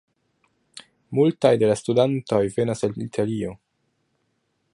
Multaj de la studantoj venas el Italio.